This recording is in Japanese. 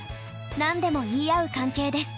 何でも言い合う関係です。